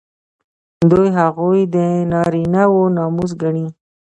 دوی هغوی د نارینه وو ناموس ګڼي.